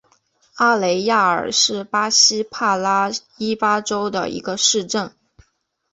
阿雷亚尔是巴西帕拉伊巴州的一个市镇。